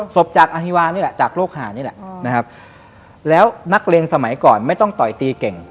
ศพจากอฮิวานี่แหละจากโรคหานี่แหละนะครับแล้วนักเรียนสมัยก่อนไม่ต้องต่อยตีเก่ง